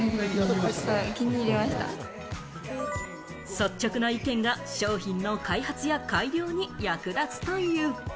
率直な意見が商品の開発や改良に役立つという。